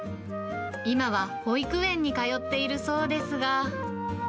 今は保育園に通っているそうですが。